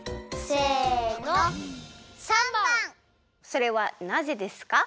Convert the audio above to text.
それはなぜですか？